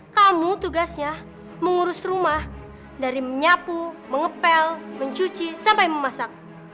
kamu tugasnya mengurus rumah dari menyapu mengepel mencuci sampai memasak